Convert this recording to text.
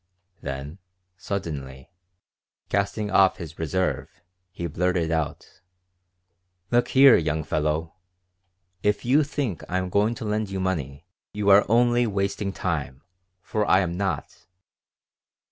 Then, suddenly, casting off his reserve, he blurted out: "Look here, young fellow! If you think I am going to lend you money you are only wasting time, for I am not."